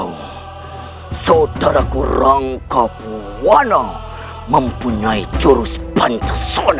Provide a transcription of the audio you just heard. oh siliwangi mengeluarkan jurus prata sukma